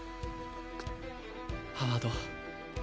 ハワード